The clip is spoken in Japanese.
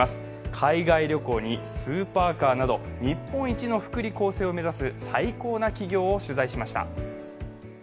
海外旅行にスーパーカーなど日本一の福利厚生を目指す最高な企業を取材しました。